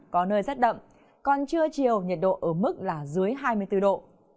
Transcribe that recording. có nơi rét đậm còn trưa chiều nhiệt độ ở mức là dưới hai mươi bốn độ